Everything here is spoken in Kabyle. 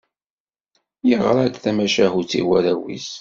Yeɣra-d tamacahut i warraw-is.